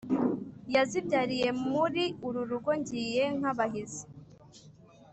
yazibyariye muri uru rugo ngiye- nk'abahizi